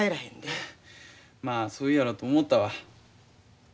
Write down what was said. まあそう言うやろと思たわ。